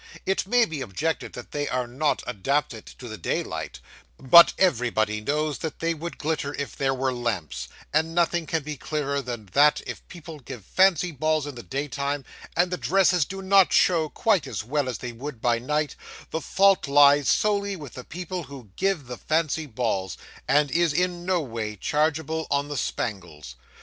It may be objected that they are not adapted to the daylight, but everybody knows that they would glitter if there were lamps; and nothing can be clearer than that if people give fancy balls in the day time, and the dresses do not show quite as well as they would by night, the fault lies solely with the people who give the fancy balls, and is in no wise chargeable on the spangles.